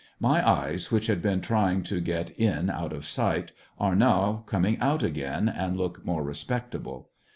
My eyes, which had been trying to get in out of sight, are now coming out again and look more respectable.